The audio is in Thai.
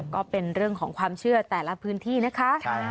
ก็เป็นเรื่องของความเชื่อแต่ละพื้นที่นะคะ